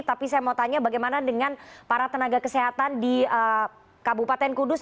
tapi saya mau tanya bagaimana dengan para tenaga kesehatan di kabupaten kudus